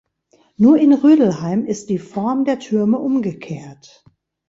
Nur in Rödelheim ist die Form der Türme umgekehrt.